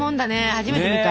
初めて見た。